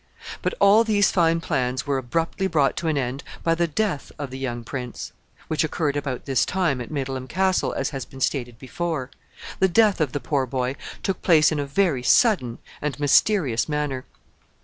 But all these fine plans were abruptly brought to an end by the death of the young prince, which occurred about this time, at Middleham Castle, as has been stated before. The death of the poor boy took place in a very sudden and mysterious manner.